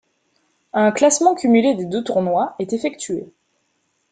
Un classement cumulé des deux tournois est effectué.